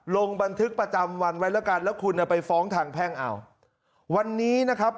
ลงบันทึกประจำวันไว้แล้วกันแล้วคุณไปฟ้องทางแพ่งเอาวันนี้นะครับ